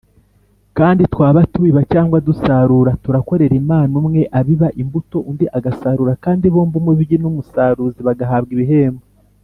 . Kandi twaba tubiba cyangwa dusarura, turakorera Imana. Umwe abiba imbuto; undi agasarura; kandi bombi umubibyi n’umusaruzi bagahabwa ibihembo